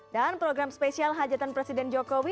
dan program spesial hajatan presiden jokowi